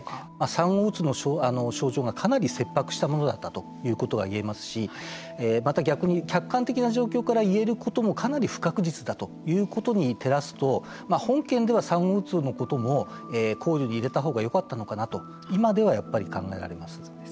産後うつの症状がかなり切迫したものだったということが言えますしまた逆に、客観的な状況から言えることもかなり不確実だということに照らすと本件では産後うつのことも考慮に入れたほうがよかったのかなと今では、やっぱり考えられます。